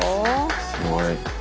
すごい。